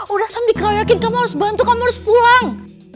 udah sam dikeroyokin kamu harus bantu kamu harus pulang